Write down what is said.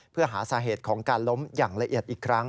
เพื่อหาสาเหตุของการล้มอย่างละเอียดอีกครั้ง